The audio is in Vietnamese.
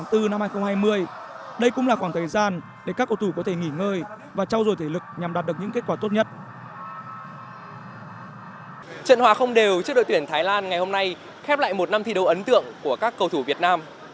trận hòa không đều trước đội tuyển thái lan ngày hôm nay khép lại một năm thi đấu ấn tượng của các cầu thủ việt nam